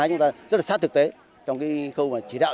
chúng ta rất sát thực tế trong khâu chỉ đạo